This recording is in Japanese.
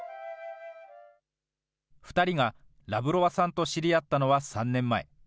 ２人がラブロワさんと知り合ったのは３年前。